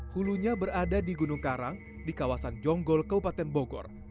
hulunya berada di gunung karang di kawasan jonggol kabupaten bogor